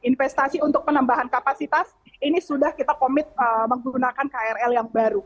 investasi untuk penambahan kapasitas ini sudah kita komit menggunakan krl yang baru